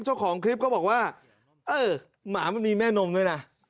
เจ้าของคลิปก็บอกว่าเออหมามันมีแม่นมด้วยนะ